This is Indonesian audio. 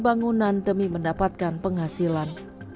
bangunan demi mendapatkan penghasilan